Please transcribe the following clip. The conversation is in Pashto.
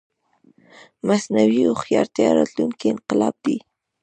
مصنوعي هوښيارتيا راتلونکې انقلاب دی